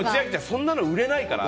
そんなの売れないから。